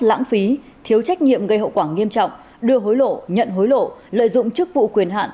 lãng phí thiếu trách nhiệm gây hậu quả nghiêm trọng đưa hối lộ nhận hối lộ lợi dụng chức vụ quyền hạn